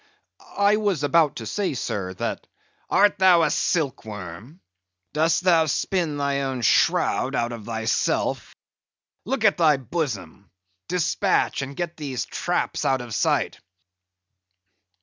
"I was about to say, sir, that——" "Art thou a silk worm? Dost thou spin thy own shroud out of thyself? Look at thy bosom! Despatch! and get these traps out of sight."